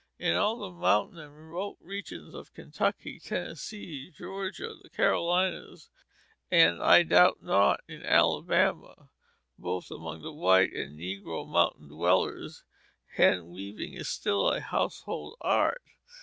In all the mountain and remote regions of Kentucky, Tennessee, Georgia, the Carolinas, and I doubt not in Alabama, both among the white and negro mountain dwellers, hand weaving is still a household art.